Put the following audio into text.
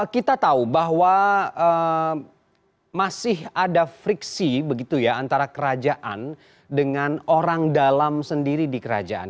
kita tahu bahwa masih ada friksi begitu ya antara kerajaan dengan orang dalam sendiri di kerajaan